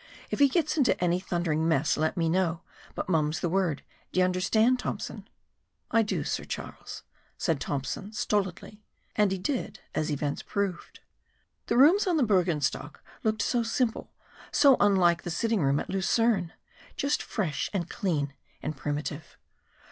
If he gets into any thundering mess let me know but mum's the word, d'y understand, Tompson?" "I do, Sir Charles," said Tompson, stolidly. And he did, as events proved. The rooms on the Bürgenstock looked so simple, so unlike the sitting room at Lucerne! Just fresh and clean and primitive.